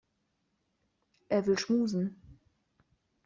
Er will schmusen.